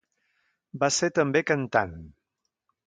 Va ser també cantant.